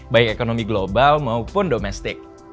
baik ekonomi global maupun domestik